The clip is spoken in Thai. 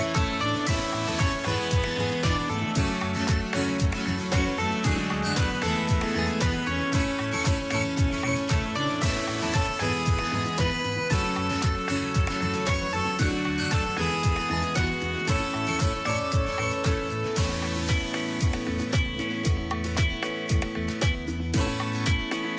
โปรดติดตามตอนต่อไป